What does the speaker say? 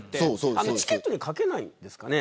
チケットに書けないんですかね。